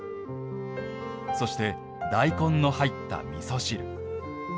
そして大根の入ったみそ汁。